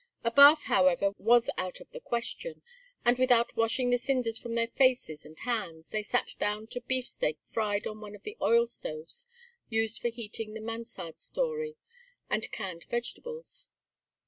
A bath, however, was out of the question, and, without washing the cinders from their faces and hands, they sat down to beefsteak fried on one of the oil stoves used for heating the Mansard story, and canned vegetables.